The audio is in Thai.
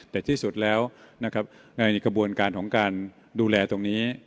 แต่ที่สุดแล้วนะครับในกระบวนการของการดูแลตรงนี้